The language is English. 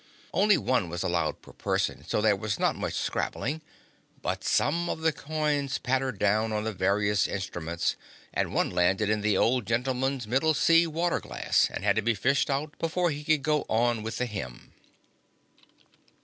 Only one was allowed per person, so there was not much scrambling, but some of the coins pattered down on the various instruments, and one landed in the old gentleman's middle C water glass and had to be fished out before he could go on with the Hymn.